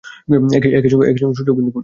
একই সঙ্গে সূর্যও কিন্তু ঘুরছে।